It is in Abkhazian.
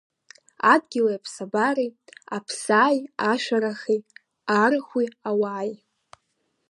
Адгьыли аԥсабареи, аԥсааи ашәарахи, арахәи ауааи.